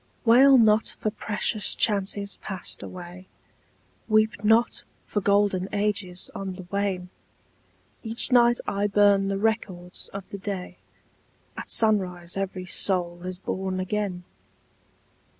[ 27 ] Selected Poems Wail not for precious chances passed away, Weep not for golden ages on the wane ! Each night I burn the records of the day, — At sunrise every soul is born again